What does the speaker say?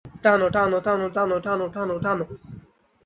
টানো, টানো, টানো, টানো, টানো, টানো, টানো!